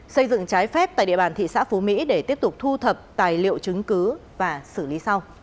xây dựng trái phép tại địa bàn thị xã phú mỹ để tiếp tục thu thập tài liệu chứng cứ và xử lý sau